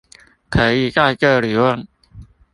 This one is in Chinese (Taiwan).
可以在這裡問